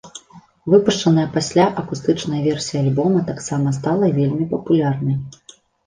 Выпушчаная пасля акустычная версія альбома таксама стала вельмі папулярнай.